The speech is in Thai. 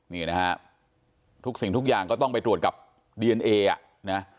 นี่นะฮะทุกสิ่งทุกอย่างก็ต้องไปตรวจกับดีเอนเออ่ะนะ